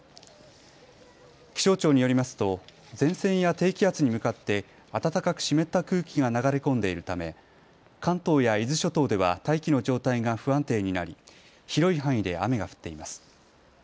気象庁によりますと前線や低気圧に向かって暖かく湿った空気が流れ込んでいるため関東や伊豆諸島では大気の状態が不安定になり広い範囲で雨が降っています。